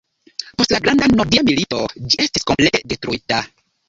Post la Granda Nordia Milito ĝi estis komplete detruita.